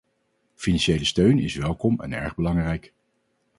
Financiële steun is welkom en erg belangrijk.